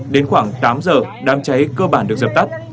đến khoảng tám giờ đám cháy cơ bản được dập tắt